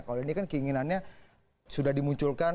kalau ini kan keinginannya sudah dimunculkan